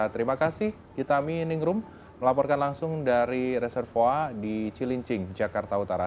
terima kasih hitami ningrum melaporkan langsung dari reservoa di cilincing jakarta utara